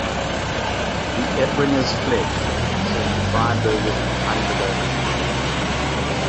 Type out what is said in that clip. The Ebringers fled, so the Freiburgers plundered only wine.